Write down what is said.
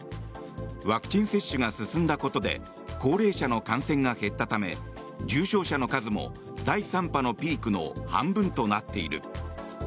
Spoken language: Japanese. ワクチン接種が進んだことで高齢者の感染が減ったため重症者の数も、第３波のピークの半分となっている。